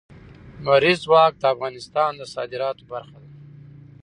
لمریز ځواک د افغانستان د صادراتو برخه ده.